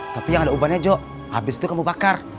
tapi yang ada ubannya jok habis itu kamu bakar